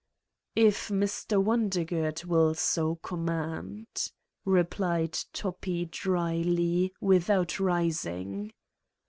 "If Mr. Wondergood will so command. ..." replied Toppi, dryly, without rising.